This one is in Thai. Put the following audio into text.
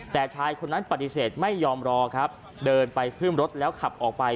แต่ชายคนนั้นปฏิเสธไม่ยอมรอครับเดินไปขึ้นรถแล้วขับออกไป